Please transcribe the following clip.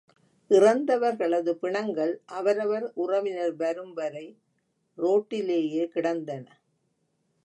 இறந்தவர்களது பிணங்கள் அவரவர் உறவினர் வரும் வரை ரோட்டிலேயே கிடந்தன.